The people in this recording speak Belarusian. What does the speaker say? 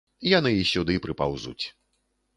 Яны і сюды прыпаўзуць.